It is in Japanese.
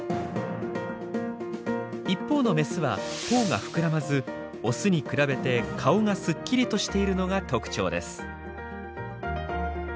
一方のメスは頬が膨らまずオスに比べて顔がすっきりとしているのが特徴です。